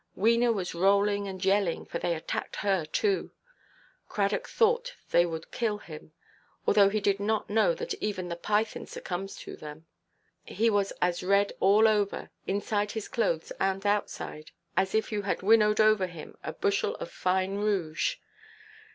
Wena was rolling and yelling, for they attacked her too. Cradock thought they would kill him; although he did not know that even the python succumbs to them. He was as red all over, inside his clothes and outside, as if you had winnowed over him a bushel of fine rouge.